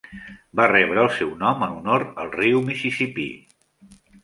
Va rebre el seu nom en honor al riu Mississippi.